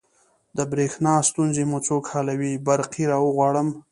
د بریښنا ستونزې مو څوک حلوی؟ برقي راغواړم